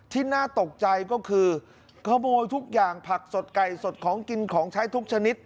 ที่น่าตกใจก็คือขโมยทุกอย่างผักสดไก่สดของกินของใช้ทุกชนิด